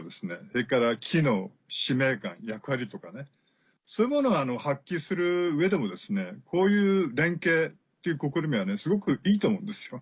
それから機能使命感役割とかねそういうものを発揮する上でもこういう連携という試みはすごくいいと思うんですよ。